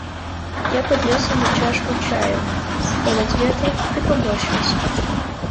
Я поднес ему чашку чаю; он отведал и поморщился.